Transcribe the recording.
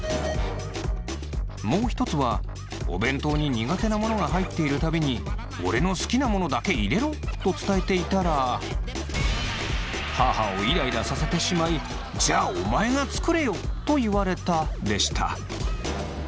もう一つはお弁当に苦手なものが入っている度に「オレの好きなものだけ入れろ」と伝えていたら母をイライラさせてしまい「じゃあおまえが作れよ！」と言われたでした。